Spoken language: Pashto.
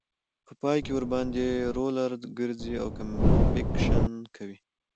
په پای کې ورباندې رولر ګرځي او کمپکشن کوي